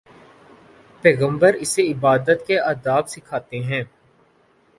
پیغمبر اسے عبادت کے آداب سکھاتے ہیں۔